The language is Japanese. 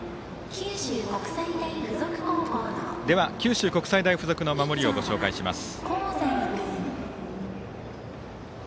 では九州国際大付属の守りをご紹介します。